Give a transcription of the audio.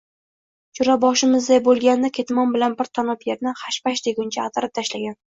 Jo‘raboshimizday bo‘lganida ketmon bilan bir tanob yerni hashpash deguncha ag‘darib tashlagan.